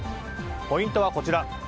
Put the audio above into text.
ポイントはこちら。